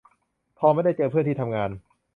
พอไม่ได้เจอเพื่อนที่ทำงาน